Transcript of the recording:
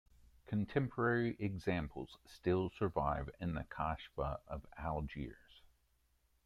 Contemporary examples still survive in the Casbah of Algiers.